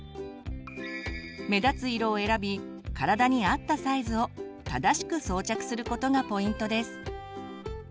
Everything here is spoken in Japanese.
目立つ色を選び体に合ったサイズを正しく装着することがポイントです。